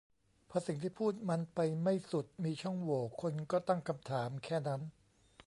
พอสิ่งที่พูดมันไปไม่สุด มีช่องโหว่ คนก็ตั้งคำถาม แค่นั้น